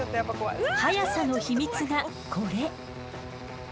速さの秘密がこれ。